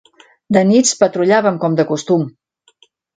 De nits patrullàvem com de costum